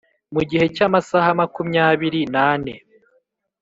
mu gihe cy'amasaha makumyabiri nane